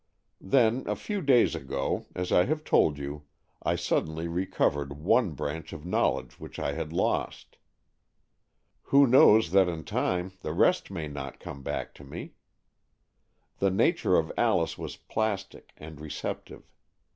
"Then, a few days ago, as I have told you, I suddenly recovered one branch of knowledge which I had lost. Who knows that in time the rest may not come back to me? The nature of Alice was plastic and receptive.